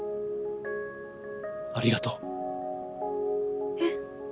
ありがとう。え？